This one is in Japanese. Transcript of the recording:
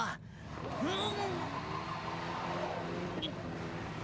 うん。